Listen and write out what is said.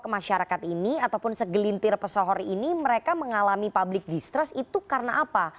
masyarakat ini ataupun segelintir pesohor ini mereka mengalami public distress itu karena apa